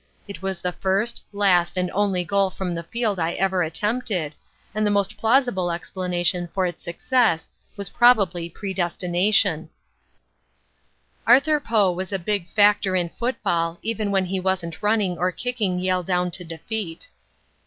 It was the first, last and only goal from the field I ever attempted, and the most plausible explanation for its success was probably predestination." [Illustration: "NOTHING GOT BY JOHN DeWITT"] Arthur Poe was a big factor in football, even when he wasn't running or kicking Yale down to defeat.